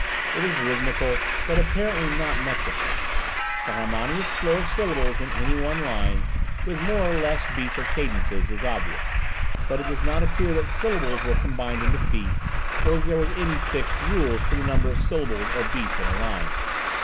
It is rhythmical, but apparently not metrical: the harmonious flow of syllables in any one line, with more or less beats or cadences, is obvious; but it does not appear that syllables were combined into feet, or that there was any fixed rule for the number of syllables or beats in a line.